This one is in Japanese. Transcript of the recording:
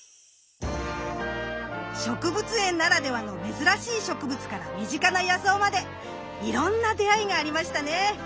植物園ならではの珍しい植物から身近な野草までいろんな出会いがありましたね。